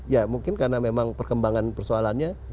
ya mungkin karena memang perkembangan persoalannya